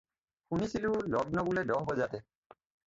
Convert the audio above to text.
শুনিছিলোঁ লগ্ন বোলে দহ বজাতে।